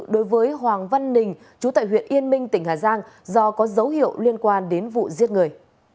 đối với hoàng văn ninh chú tại huyện yên minh tỉnh hà giang do có dấu hiệu liên quan đến vụ giết người